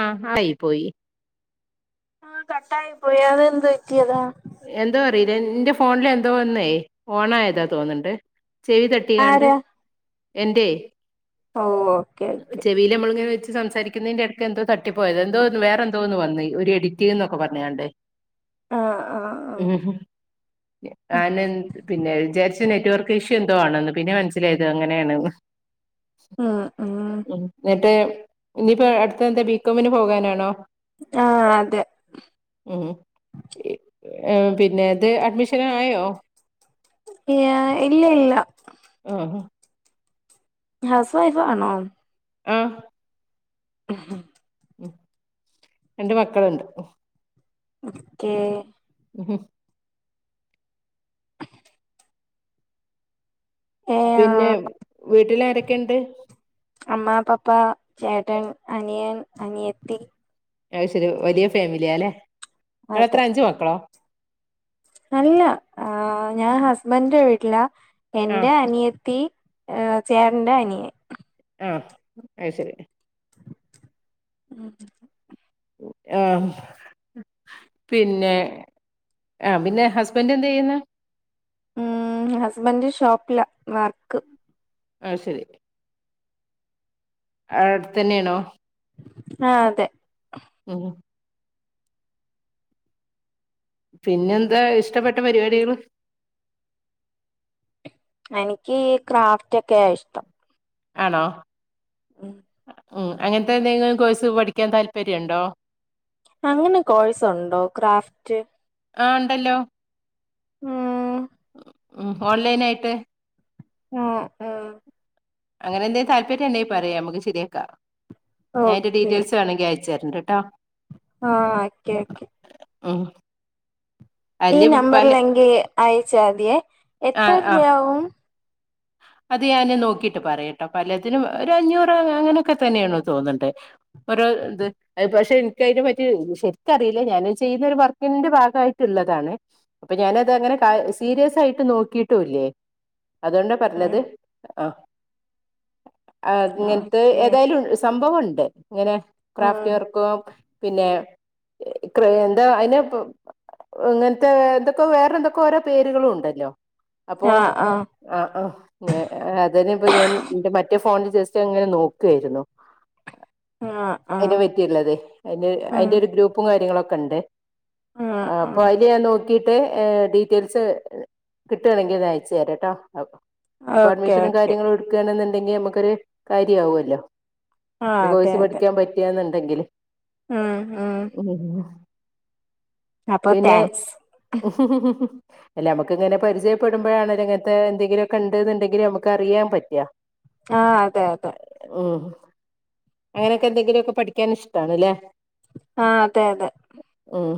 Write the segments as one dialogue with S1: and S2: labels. S1: ആഹ് ട്ടായി പോയി
S2: ആഹ് കട്ടായി പോയി അതെന്ത് പറ്റിയതാ
S1: എന്തോ അറീല്ല ഇന്റെ ഫോണില് എന്തോ ഒന്ന് ഓണായതാ തോന്ന്ണ്ട് ചെവി തട്ടിക്കാണ്ട്
S2: ആരാ
S1: എന്റെ
S2: ഔ ഒക്കെ ഒക്കെ
S1: ഇതീല് നമ്മളിങ്ങനെ വെച്ച് സംസാരിക്കുന്നേന്റെ എടക്ക് എന്തോ തട്ടിപ്പോയതാ എന്തോന്ന് വേറെന്തോന്ന് വന്ന് ഒരു എഡിറ്റ് ന്നൊക്കെ പറ്ഞ്ഞ്ക്കാണ്ട്
S2: ആഹ് ആഹ്
S1: ഉം ഹും ആനന്ത് പിന്നെ വിചാരിച്ച് നെറ്റ് വർക്ക് ഇഷ്യൂ എന്തോ ആണന്ന് പിന്നെ മനസ്സിലായത് അങ്ങനെയാണന്ന്
S2: ഉം ഉം
S1: ന്നട്ട് ഇനിപ്പോ അടുത്ത എന്താ ബികോമിന് പോകാനാണോ
S2: ആഹ് അതെ
S1: ഉം ഏ പിന്നെ ഇത് അഡ്മിഷൻ ആയോ
S2: ഇയാ ഇല്ല ഇല്ല
S1: ആഹ് ഹാ
S2: ഹൗസ് വൈഫ് ആണോ
S1: ആഹ്
S2: ഉം ഹും
S1: രണ്ട് മക്കളുണ്ട്
S2: ഓക്കെ
S1: ഉം
S2: ഏ ആ
S1: പിന്നെ വീട്ടിലാരൊക്കെണ്ട്
S2: അമ്മ പപ്പ ചേട്ടൻ അനിയൻ അനിയത്തി
S1: അഅ് ശരി വലിയ ഫാമിലിയാല്ലേ നിങ്ങളത്ര
S2: അതെ
S1: അഞ്ച് മക്കളൊ
S2: അല്ല ആഹ് ഞാ ഹസ്ബൻന്റെ വീട്ടിലാ
S1: ആഹ്
S2: എന്റെ അനിയത്തി ഏ ഹ് ചേട്ടന്റെ അനിയൻ
S1: ആഹ് അയ്ശെരി
S2: ഉം
S1: ആഹ് പിന്നെ ആ പിന്നെ ഹസ്ബൻഡ് എന്തയ്യുന്നെ?
S2: ഉം ഹസ്ബന്റ് ഷോപ്പില വർക്ക്
S1: അയ് ശരി ആ ഔട്ത്തന്നേണോ?
S2: ആഹ് അതെ
S1: ഉം പിന്നെന്താ ഇഷ്ടപ്പെട്ട പരിപാടികൾ
S2: എനിക്ക് ഈ ക്രാഫ്റ്റൊക്കെയാ ഇഷ്ടം
S1: ആണോ?
S2: ഉം
S1: ഉം അങ്ങനത്തെ എന്തെങ്കിലും കോഴ്സ് പഠിക്കാൻ താല്പര്യം ഉണ്ടോ?
S2: അങ്ങനെ കോഴ്സുണ്ടോ ക്രാഫ്റ്റ്?
S1: ആ ഇണ്ടല്ലോ
S2: ഉം
S1: ഉം ഓൺലൈൻായിട്ട്
S2: ആ ആ
S1: അങ്ങനെന്തങ്കും താല്പര്യം ണ്ടെ പറയ നമു ശരിയാക്കാം ഞാൻ അയ്ന്റെ
S2: ഓക്കെ
S1: ഡീറ്റെയിൽസ് വേണെങ്കിൽ അയച്ചരണ്ട ട്ടോ
S2: ആ അക്കെ ആക്കെ
S1: മ്മ്
S2: ഈ നമ്പറിലെങ്കിൽ അയച്ചാതിയേ എത്ര
S1: ആഹ് ആഹ്
S2: രൂപയാവും
S1: അത് ഞാൻ നോക്കിട്ട് പറയട്ടോ പലത്തിനും ഒരു അഞ്ഞൂറ് അങ്ങനെയൊക്കെ തന്നെയാണോ തോന്നിണ്ട് ഒരു ഇത് അ പക്ഷെ എനിക്കതിനു പറ്റി ശരിക്കറിയില്ല ഞാനും ചെയ്യുന്ന ഒരു വർക്കിന്റെ ഭാഗമായിട്ടുള്ളതാണ് അപ്പൊ ഞാന അത് അങ്ങനെ സീരിയസ് ആയിട്ട് നോക്കിയിട്ടുംല്ലേ അത
S2: ഉം
S1: പറഞ്ഞത് ആ ആ ഇങ്ങനത്തെ
S2: ഓക്കെ
S1: ഏതായാലും സംഭവംുണ്ട് ഇങ്ങനെ
S2: ഉം
S1: ക്രാഫ്റ്റ് വർക്ക പിന്നെ എന്താ അതിന്പ്പ ഇങ്ങനത്തെ എന്തൊക്കെ വേറെ എന്തൊക്കെ ഓരോ പേരുകളും ഉണ്ടല്ലോ അപ്പോ
S2: ആഹ് ആഹ്
S1: ആ ആ അതന് ഇപ്പ ഞാൻന്റെ മറ്റേ ഫോണിൽ ജസ്റ്റ് അങ്ങനെ നോക്കുായിരുന്നു
S2: ആ ആ
S1: അ അതിന്റെ ഒരു ഗ്രൂപ്പും കാര്യങ്ങളും ഒക്കെ ഉണ്ട്
S2: ആഹ്
S1: അപ്പൊ
S2: ആഹ്
S1: അല് ഞാൻ നോ നോക്കിട്ട് ഡീറ്റെയിൽസ് കിട്ടാണെങ്കിൽ ഒന്ന് അയച്ചു തരാം ട്ടോ അപ്പൊ
S2: ഓക്കെ
S1: അഡ്മിഷനും
S2: ഓക്കെ
S1: കാര്യങ്ങളും എടുക്കയാണെന്നുണ്ടെങ്കി നമുക്കൊരു കാര്യമാവല്ലോ
S2: ആഹ്
S1: ഒരു
S2: അതെ
S1: കോഴ്സ്
S2: അതെ
S1: പഠിക്കാൻ പറ്റിയന്നുണ്ടെങ്കില്
S2: ഉം ഉം അപ്പൊ
S1: പിന്നെ
S2: താങ്ക്സ്
S1: [unintelligible] അല്ല മമ്മക്ക് ഇങ്ങനെ പരിചയപ്പെടുമ്പോഴാണല്ല ഇങ്ങനത്തെ എന്തെങ്കിലും കണ്ടെന്നുണ്ടെങ്കിൽ നമുക്കറിയൻ പറ്റാ
S2: ആ അതെ അതെ
S1: ഉം അങ്ങനെയൊക്കെ എന്തെങ്കിലുമൊക്കെ പഠിക്കാൻ ഇഷ്ടണല്ലേ
S2: ആ അതെ അതെ
S1: മ്മ്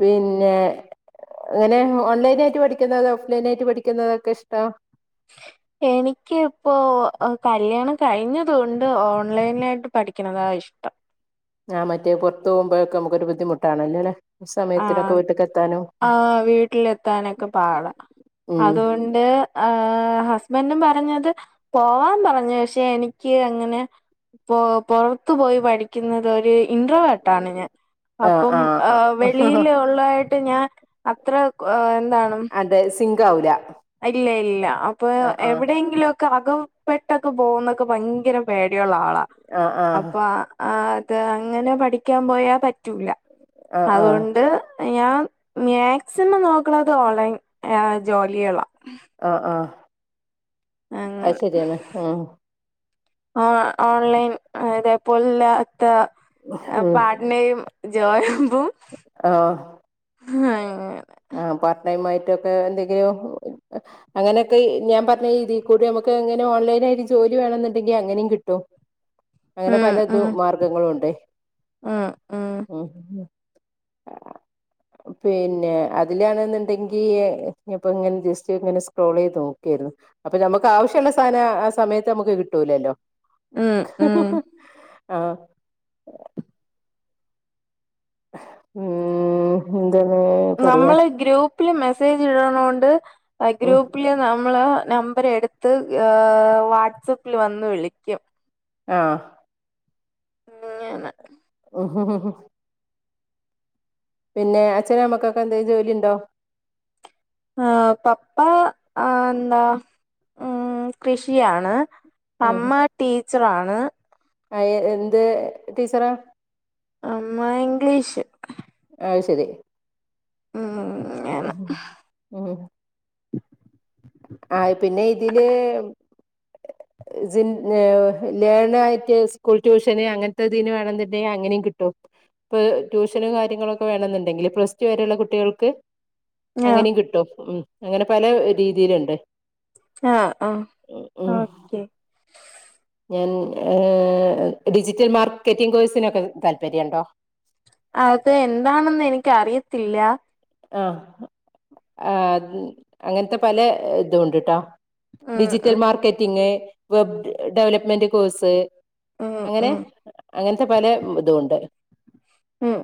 S1: പിന്നെ ഇങ്ങനെ ഓൺലെയ്നായ്ട്ട് പഠിക്കുന്നതോ പ്ലെനായിട്ട് പഠിക്കുന്നതൊക്കെ ഇഷ്ട
S2: എനിക്ക് ഇപ്പോ കല്യാണം കഴിഞ്ഞതൊണ്ട് ഓൺലൈനിലായിട്ട് പഠിക്കണതാണ് ഇഷ്ടം
S1: ആഹ് മറ്റേ പൊർത്ത് പോമ്പഴക്കെ നമുക്കൊരു ബദ്ധിമോട്ടാണല്ലോ ല്ലേ
S2: ആഹ് ആഹ് വീട്ടിലെത്താനൊക്കെ പാട
S1: ഉം
S2: അതുകൊൺ ഏഹ് ആഹ് ഹസ്ബൻ്റും പറഞ്ഞത് പോവാൻ പറഞ്ഞ് പഷെ എനിക്ക് അങ്ങനെ പോ പൊറത്തു പോയി പഠിക്കുന്നത് ഒരു ഇന്റ്രോർവേട്ടാണ് ഞാൻ
S1: ആ
S2: അപ്പം
S1: ആ
S2: ഏ വെ തൊള്ളായിട്ട് ഞാൻ അത്ര എന്താണ്
S1: തെ സിംഗാവൂല
S2: ഇല്ല ഇല്ല അപ്പ എവിടെയെങ്കിലൊ അകപ്പെട്ടൊക്കെ പോന്നൊക്കെ ഭയ്ങ്കര പേടിയൊള്ളാളാ
S1: ആ ആ ആ
S2: അപ്പ അ ആ അത് അങ്ങനെ പഠിക്കാൻ പോയാ പറ്റൂല അതുകൊണ്ട്
S1: ആ
S2: ഞാൻ മേക്സിമം നോക്ക്ണത് ഓൺലൈൻ ഏ ജോലിയളാ
S1: ആഹ് ആഹ് അത് ശരിയാണ് ഉംഹ്
S2: ഏഹ് ഓൺലൈൻ ഏഹ് ഇതേപോലല്ലാത്ത പാട്നയും [unintelligible]
S1: ആഹ്
S2: [unintelligible]
S1: ആഹ് പാർട്ട് ടൈം ആയിട്ടൊക്കെ എന്തെങ്ക്യും അങ്ങനൊക്കെ ഞാൻ പർഞ്ഞ ഇതീക്കൂടി നമുക്ക് എങ്ങനെ ഓൺലൈനായിട്ട് ജോലി വേണന്നിണ്ടെങ്കിൽ അങ്ങനെം കിട്ടും അങ്ങനെ
S2: ഉം
S1: പലത്
S2: ഉം
S1: മാർഗ്ഗങ്ങളുണ്ട് ഉം പിന്നെ അതിലാണിന്നിണ്ടെങ്കി ഇഞ്ഞിപ്പോ ഇങ്ങനെ ജസ്റ്റ് ഇങ്ങനെ സ്ക്രോളെയ്ത് നോക്കായിരുന്നു അപ്പ ഞമ്മക്കാവശ്യള്ള സാന ആ സമയത്തമ്മക്ക് കിട്ടൂലല്ലോ
S2: ഉം ഉം
S1: ആഹ് ഊം [unintelligible]
S2: നമ്മള് ഗ്രൂപ്പില് മെസ്സേജ് ഇടണോണ്ട് ആ
S1: ഉം
S2: ഗ്രൂപ്പില് നമ്മള് നമ്പർ എട്ത്ത് ഏ വാട്സപ്പിൽ വന്ന് വിളിക്കും
S1: ആഹ്
S2: [unintelligible]
S1: ഉംഹ്ഹ് പിന്നെ അച്ഛനു അമ്മക്കൊക്കെ എന്താ ജോലിണ്ടോ
S2: ആ പപ്പ ആ ന്താ ഉം കൃഷിയാണ് അമ്മ ടീച്ചറാണ്
S1: അയ എന്ത് ടീച്ചറ
S2: അമ്മ ഇംഗ്ലീഷ്
S1: ആയ്ശരി
S2: ആഹ്
S1: ഒഹോ ഉംഹും ആഹ് പിന്നെ ഇതില് സിൻ ഏ ലേണായ്റ്റ് സ്കൂൾ ട്യൂഷന് അങ്ങൻത്തെതിന് വേണെന്നിണ്ടേ അങ്ങനിറ കിട്ടും പ്പ് ട്യൂഷനും കാര്യങ്ങളൊക്കെ വേണെന്നുണ്ടെങ്കില് പ്ലസ് ടു വരെള്ള കുട്ടികൾക്ക്
S2: ആഹ്
S1: അങ്ങനിം കിട്ടും അങ്ങനെ പല രീതീലിണ്ട്
S2: ആഹ് ആഹ്
S1: ഉം
S2: ഓക്കെ
S1: ഞാൻ ഏ ഡിജിറ്റൽ മാർക്കറ്റിംഗ് കോഴ്സിനൊക്കെ താല്പര്യണ്ടോ
S2: അത് എന്താണെന്ന് എനിക്ക് അറിയത്തില്ല
S1: ആ ആ അങ്ങനത്തെ പല ഇതും ഉണ്ട്ട്ടോ
S2: ഉം
S1: ഡിജിറ്റൽ
S2: ഉം
S1: മാർക്കറ്റിംഗ് വെബ് ഡെവലപ്മെന്റ് കോഴ്സ്
S2: ഉം
S1: അങ്ങനെ
S2: ഉം
S1: അങ്ങനത്തെ പല ഇതും ഉണ്ട്
S2: ഉം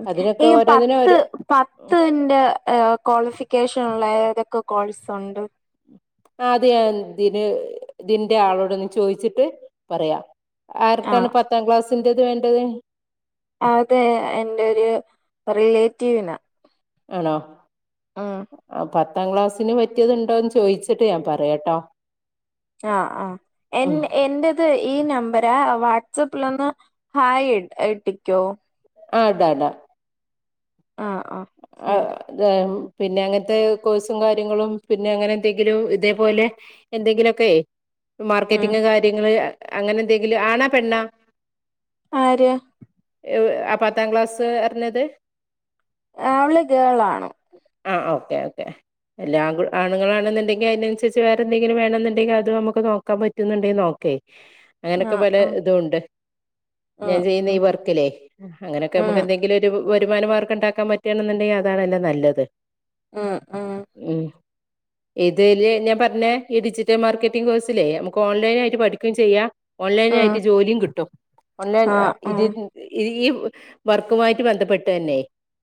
S2: ഈ പത്ത്
S1: ഒരു
S2: പത്തിന്റെ ക്വാളിഫിക്കേഷൻ ഉള്ള ഏതൊക്കെ കോഴ്സ് ഉണ്ട്
S1: ആ അത് ഞാൻ ഇതിന് ഇതിന്റെ ആളോടൊന്ന് ചോദിച്ചിട്ട് പറയാം ആർക്കാണ്
S2: ആഹ്
S1: പത്താം ക്ലാസ്സിന്റെത് വേണ്ടത്
S2: അതെ എന്റൊരു റിലേറ്റീവിനാ
S1: ആണോ
S2: ആ
S1: ആ പത്താം ക്ലാസ്സിന് പറ്റിയത്ണ്ടോന്ന് ചോദിച്ചിട്ട് ഞാൻ പറയാട്ടോ
S2: ആഹ് ആ എ
S1: ആഹ്
S2: എന്റെ ത് ഈ നമ്പരാ വാട്സആപ്പിൽഒന്ന് ഹായ് ഇട്ടിക്കോ
S1: ആ ഇടാ ഇടാം
S2: ആ ആ
S1: ആ പിന്നെ അങ്ങനത്തെ കോഴ്സും കാര്യങ്ങളും പിന്നെ അങ്ങനെ എന്തെങ്കിലും ഇതേപോലെ എന്തെങ്കിലൊക്കെ
S2: ഉം
S1: മാർക്കറ്റിങ് കാര്യങ്ങള് അങ്ങനെ എന്തെങ്കിലും ആണാ പെണ്ണാ
S2: ആര്
S1: ആ പത്താം ക്ലാസ്സ് പറിഞ്ഞത്
S2: അവള് ഗേള് ആണ്
S1: ആ ഓക്കേ ഓക്കെ എല്ലാ കൂ ആണുങ്ങളാണെന്നണ്ടെങ്കിൽ അതിനനുസരിച്ച് വേറെ എന്തെങ്കിലും വേണെന്നുണ്ടെങ്കിൽ അത് നമുക്ക് നോക്കാൻ പറ്റുന്നുണ്ടെങ്കിൽ നോക്കേ അങ്ങനൊക്കെ
S2: ആഹ്
S1: പല
S2: ആഹ്
S1: ഇതും ഉണ്ട് ഞാൻ
S2: ഉം
S1: ചെയ്യുന്ന ഈ
S2: ഉം
S1: വർക്കിലേ അങ്ങനെയൊക്കെ നമുക്ക്
S2: ഉം
S1: എന്തെങ്കിലും ഒരു വരുമാനമാർഗം ഉണ്ടാക്കാൻ പറ്റുകയാണെന്നുണ്ടെങ്കിൽ അതാണല്ലേ നല്ലത്
S2: ഉം ഉം
S1: ഉം ഇതില് ഞാൻ പറഞ്ഞേ ഈ ഡിജിറ്റൽ മാർക്കറ്റിംഗ് കോഴ്സിലെ നമക്ക് ഓൺലൈനായിട്ട് പഠിക്കുകയും ചെയ്യാം
S2: ഉം
S1: ഓൺലൈനായിട്ട് ജോലിയും കിട്ടും ഓൺലൈൻ
S2: ആഹ് ഉം
S1: ഇത് ഈ വർക്കുമായിട്ട് ബന്ധപ്പെട്ട് തന്നെ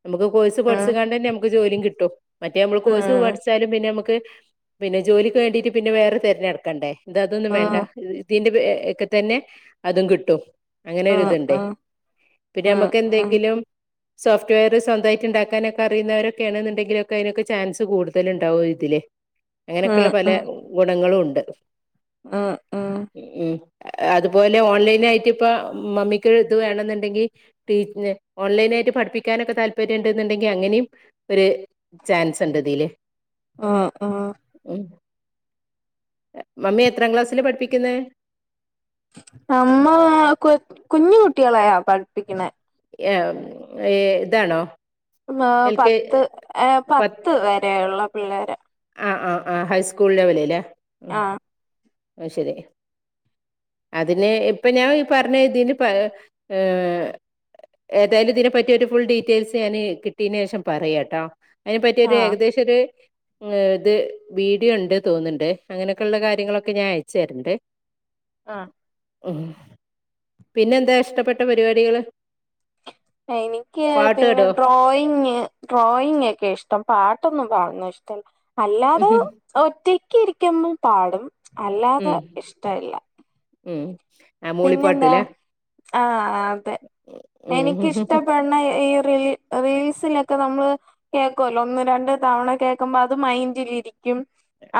S1: നമുക്ക് കോഴ്സ്
S2: ഉം
S1: പഠിച്ചുകാണ്ട് തന്നെ നമുക്ക് ജോലിയും കിട്ടും മറ്റേ നമ്മൾ കോഴ്സ് പഠിച്ചാലും പിന്നെ നമുക്ക് പിന്നെ ജോലിക്ക് വേണ്ടിട്ട് പിന്നെ വേറെ തിരഞ്ഞെടുക്കണ്ടേ ഇത അതൊന്നും വേണ്ട
S2: ഉം
S1: ഇതിന്റെ ബാക്കി തന്നെ അതും കിട്ടും
S2: ഉം ഉം
S1: അങ്ങനൊരിതുണ്ടേ പിന്നെ
S2: ഉം
S1: നമുക്ക്
S2: ഉം
S1: എന്തെങ്കിലും സോഫ്റ്റ്‌വെയർ സ് സ്വന്തമായിട്ട് ഇണ്ടാക്കാനൊക്കെ അറിയുന്നവരൊക്കെയാണെന്നുണ്ടെങ്കിലൊ ക്കെ അതിനൊക്കെ ചാൻസ് കൂടുതലിണ്ടാവും ഇതിലെ
S2: ഉം ഉം
S1: അങ്ങനെയൊക്കെയുള്ള പല ഗുണങ്ങളും ഉണ്ട്
S2: ആ ആ
S1: ഉം അതുപോലെ ഓൺലൈൻ ആയിട്ട് ഇപ്പ മമ്മിക്ക് ഇത് വേണെന്നുണ്ടെങ്കിൽ ടീ ഓൺലൈനായിട്ട് പഠിപ്പിക്കാനൊക്കെ താല്പര്യം ര്യണ്ടെന്നണ്ടെങ്കിൽ അങ്ങനേം ഒരു ചാൻസ് ഉണ്ട് ഇതില്
S2: ഉം
S1: ഉം മമ്മി എത്രാം ക്ലാസ്സിൽ പഠിപ്പിക്കുന്നെ
S2: അമ്മ കു കുഞ്ഞു കുട്ടികളായാ പഠിപ്പിക്കണ
S1: ഏ ഇതാണോ എൽ കെ
S2: പത്ത് ഏ പത്ത് വരെയുള്ള പിള്ളേരെ
S1: ആ ആ ആ ഹൈസ്കൂൾ ലെവല് അല്ലേ
S2: ആ
S1: അത്ശരി അതിന് ഇപ്പൊ ഞാൻ ഈ പറഞ്ഞ ഇതിന് പ്പ ഏതായാലും ഇതിനെപ്പറ്റി ഒരു ഫുൾ ഡീറ്റെയിൽസ് ഞാന് കിട്ടിയന് ശേഷം പറയാം ട്ടോ അയ്നെ പറ്റിയൊര്
S2: ആഹ്
S1: ഏകദേശൊര് ഉം ഇത് വീഡിയോണ്ട് തോന്ന്ണ്ട് അങ്ങനെയൊക്കെള്ള കാര്യങ്ങളൊക് ഒക്കെ ഞാ അയച്ചര്ണ്ട്
S2: ആഹ്
S1: ഉഹ് പിന്നെന്താ ഇഷ്ടപ്പെട്ട പരിപാടികള്
S2: എനിക്ക് പിന്നെ
S1: പാടോ
S2: ഡ്രോയിങ് ഡ്രോയിങെക്കെ ഇഷ്ടം പാട്ടൊന്നും പാട്ന്നത് ഇഷ്ടല്ല അല്ലാതെ
S1: ഉം
S2: ഒറ്റക്ക് ഇരിക്കുമ്പൊ പാടും
S1: ഉം
S2: അല്ലാതെ ഇഷ്ടയില്ല
S1: ഉം ആ
S2: പിന്നെന്താ
S1: മൂളിപ്പാട്ടില്ലേ
S2: ആഹ് അതെ
S1: ഉം
S2: എനിക്കിഷ്ടപ്പെട്ണ എ ഈറില് റീൽസ് ലെക്കെ നമ്മള് കേകൊല്ലോ ഒന്ന് രണ്ട് തവണ കേ ക്കമത് മൈൻഡിലിരിക്കും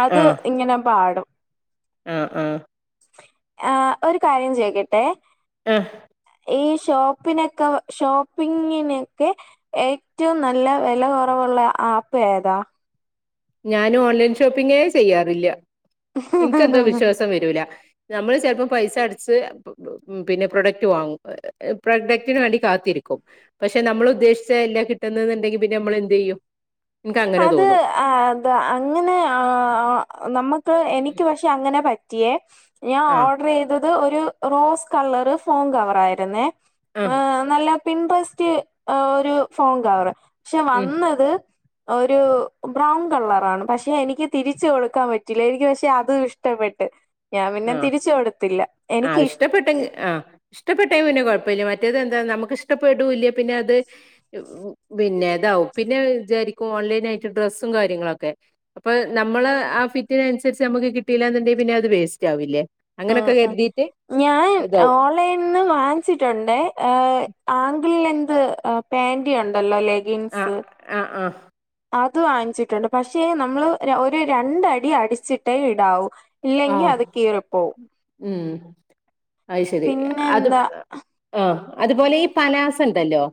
S2: അത് ഇങ്ങനെ പാടും
S1: ആഹ് ആഹ്
S2: ആ ഒരു കാര്യം ചോയ്ക്കട്ടെ
S1: ആഹ്
S2: ഈ ഷോപ്പിനെക്ക ഷോപ്പിങ്ങിനെക്കെ ഏറ്റവും നല്ല വെല കൊറവുള്ള ആപ്പ് ഏതാ
S1: ഞാന് ഓൺലൈൻ ഷോപ്പിങ്ങേ ചെയ്യാറില്യ ഇൻകെന്തോ വിശ്വാസം വെരൂല നമ്മള് ചെലപ്പം പൈസടച്ച് ഉം പിന്നെ പ്രൊഡക്റ്റ് വാങ്ങും ഒ എ എ പ്രൊഡക്റ്റിന് വേണ്ടി കാത്തിരിക്കും പക്ഷെ നമ്മള് ഉദ്ദേശിച്ച എല്ല കിട്ട്ന്ന്ന്ന്ണ്ടെങ്കി പിന്നെ ഞമ്മള് എന്ത്യ്യും
S2: അത് ആ അത് അങ്ങനെ ആ നമ്മക്ക് എനിക്ക് പ റ്റങ്ങനെ പറ്റിയേ ഞാ
S1: ആഹ്
S2: ഓട്രീത അത് ഒരു റോസ് കളറ് ഫോങ്ക വറായിരിന്നേ
S1: ആഹ്
S2: ആ നല്ല പിൻപസ്റ്റ് ഓ ഒരു ഫോങ്കകവറ് ക്ഷെ
S1: ഉം
S2: വന്നത് ഒരു ബ്രൗൺ കളറാണ് പക്ഷെ എനിക്ക് തിരിച്ച് കൊടുക്കാൻ പറ്റില്ല എനിക്ക് പക്ഷെ അതും ഇഷ്ടപ്പെട്ട് ഞാംപിന്നെ തിരിച്ച്കൊടുത്തില്ല
S1: ആഹ് ഇഷ്ടപ്പെട്ടങ്ക് ആഹ് ഇഷ്ടപ്പെട്ടെങ്കി പിന്നെ കൊയപ്പല്യ മറ്റേത് എന്താ നമുക്ക് ഇഷ്ടപ്പെടൂല്ല പിന്നെ അത് പിന്നെതാവും പിന്നെ വിചാരിക്കും ഓൺലൈനായിട്ട് ഡ്രസ്സും കാര്യങ്ങളൊക്കെ അപ്പൊ നമ്മള് ആ ഫിറ്റിനൻസരിച്ച് അമ്മക്ക് കിട്ടീലാന്ന്ണ്ടെങ്കി പിന്നെ അത് വേസ്റ്റാവില്ലേ
S2: ഉം
S1: അങ്ങനൊക്കെ
S2: ഉം
S1: കെര്തി
S2: ഞാൻ ഓർ ലൈന്ന് വാങ്ങിച്ചിട്ടുണ്ടേ ഏ ആങ്കിളിലെന്ത് ആഹ് പാന്റിയൊ ണ്ടല്ലോലേ
S1: ആഹ്
S2: ജിൻസ്
S1: ആഹ് ആഹ്
S2: അത് വാങ്ങിച്ചിട്ടുണ്ട് പക്ഷേ നമ്മള് ര ഒരു രണ്ടടി അടിച്ചിട്ടേ ഇടാവൂ ഇല്ലെങ്കി
S1: ആഹ്
S2: അത് കീറിപോവും
S1: ഉം ഐശെരി
S2: പിന്നെ
S1: അത്
S2: എന്താ
S1: ആഹ് ആഹ് അതുപോലെ ഈ പലാസ ണ്ടല്ലോ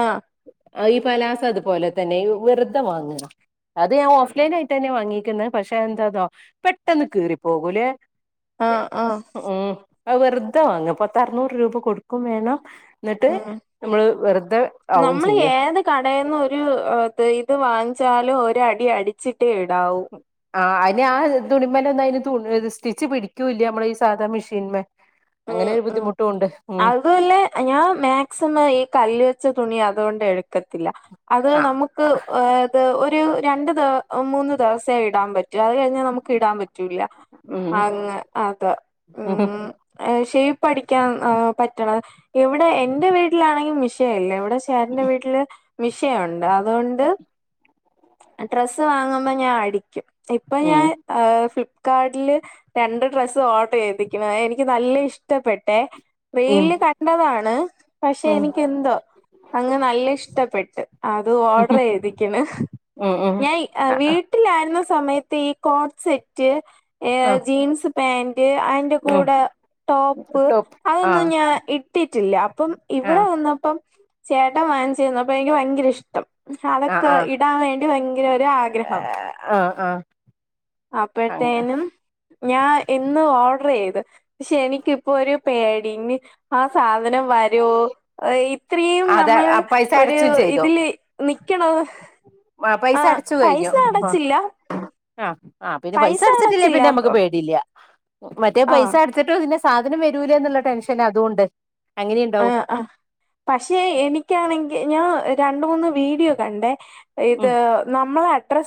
S2: ആഹ്
S1: ആഹ് ഈ പലാസ അതുപോലെ തന്നെ വെറ്തെ വാങ്ങ്ആ അത് ഞാൻ ഓഫ്ലൈൻആയിട്ട ന്നെ വാങ്ങീക്ക്ന്ന് പക്ഷെ എന്തേതോ പെട്ടെന്ന് കീറി പോകൂലെ എ
S2: ആഹ് ആഹ്
S1: ഉം അഅ് വെറ്തെ വാങ്ങാപത്തർനൂറ് രൂപ കൊടുക്കും വേണം ന്ന്ട്ട്
S2: ഉം
S1: നമ്മള് വെറ്തെ ആവും ചെയ്യും
S2: കടേന്ന്ഒരു ഒ ത് ഇത് വാങ്ങിച്ചാല് ഒരടി അടിച്ചിട്ടേ ഇടാവൂ
S1: ആഹ് അയിന് ആഹ് തുണിമലൊന്നും അയിന് തുന്നൽ സ്റ്റിച്ച് പിടിക്കൂല്ല ഇമ്മളെ സാധാ മെഷീൻമെ അങ്ങനെ ഒരു ബുദ്ധിമുട്ടും ഉണ്ട് ഉം
S2: തുപോലെ ഞാംമാക്സിമം ഈ കല്ല് വെച്ച തുണി അതോണ്ട് എട്ക്കത്തില്ല അത്
S1: ആഹ്
S2: നമുക് ക് ഓ ത് ഒരു രണ്ട് ദോ മൂന്ന് ദെവസെ ഇടാം പറ്റും അത് കഴിഞ്ഞാൽ നമുക്ക് ഇടാൻ പറ്റൂല്ല.
S1: ഉം
S2: അങ്ങെ അതാ ഉം ഏ ഷെയ്പ്പടിക്കാൻ് ആ പറ്റണം ഇവിടെ എൻന്റെ വീട്ടിലാണെങ്കി മിഷീല്ലവി ചേട്ടന്റെ വീട്ടില് മിഷയുണ്ട് അതുകൊണ്ട്? ഡ്രസ്സ് വാങ്ങുമ്പോ ഞാൻ അടിക്യും ഇപ്പൊ
S1: ഉം
S2: ഞാൻ ആഹ് ഫ്ലിപ്കാർട്ടില് രണ്ട് ഡ്രസ്സ് ഓർഡർ ചെയ്തി [unintelligible] എനിക്ക് നല്ല ഇഷ്ടപ്പെട്ടെ.
S1: ഉം
S2: റീല്ല് കണ്ടതാണ് പക്ഷെ
S1: ഉം
S2: എനിക്ക് എന്തോ? അങ്ങ് നല്ല ഇഷ്ടപ്പെട്ട് അത്
S1: ഉം
S2: ഓർഡർ ചെയ്തിക്ക്ണ്.
S1: ഉം ഉം
S2: [unintelligible] വീട്ടിലായിര്ന്ന സമയത്ത് ഈ കോട് സെറ്റ് ഏ
S1: ആഹ്
S2: ജീൻസ് പേന്റ് അയ്ന്റെ
S1: ഉം
S2: കൂടെ ടോപ്പ് അതൊന്നും ഞാൻ ഇട്ടിട്ടില്ല അപ്പം ഇവിടെ
S1: ആഹ്
S2: വന്നപ്പം ചേട്ടൻ വാങ്ങിച്ചെന്ന് അപ്പൊ എനിക്ക് ഭയങ്കര ഇഷ്ടം
S1: ആഹ്
S2: അതൊക്കെ ഇടാൻ വേ [unintelligible] ഭയങ്കര ഒരാഗ്രഹം
S1: ആഹ് ആഹ് ആഹ് അങ്ങ
S2: അപ്പോഴത്തേനും ഞാൻ ഇന്ന് ഓഡ്ർ ചെയ്ത് പക്ഷെ എനിക്കിപ്പോ ഒരു പേടി ആ സാധനം വരോ ഇത്രയും
S1: അതെ
S2: നമ്മള്
S1: ആ, പൈസ
S2: ഒരു
S1: അടച്ചും ചെയ്തു
S2: ഇതില് നിക്യണോ
S1: ആ പൈസ അടച്ചു കഴിഞ്ഞു. ആഹ് ആ പിന്നെ പൈസ അട്ച്ചിട്ടില്ലേ പിന്നെ നമ്മക്ക് പേടില്ല്യ മറ്റേ
S2: ആ
S1: പൈസ അട് ച്ച്ട്ട് പിന്നെ സാധനം വരൂലെന്ന്ള്ള ടെൻഷൻ അതുംണ്ട് അങ്ങനിംണ്ടാവും.
S2: ആഹ് പക്ഷെ എനിക്കാണെങ്കി ഞാൻ രണ്ട് മൂന്ന് വീഡിയോ കണ്ടേ ഇത്
S1: ഉം
S2: നമ്മളെ അഡ്രസ്